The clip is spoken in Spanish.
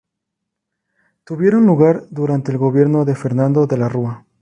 Tuvieron lugar durante el gobierno de Fernando de la Rúa.